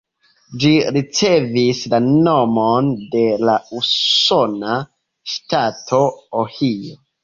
Ĝi ricevis la nomon de la usona ŝtato Ohio.